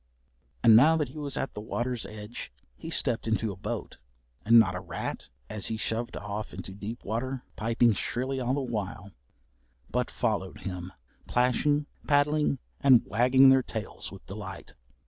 And now that he was at the water's edge he stepped into a boat, and not a rat, as he shoved off into deep water, piping shrilly all the while, but followed him, plashing, paddling, and wagging their tails with delight.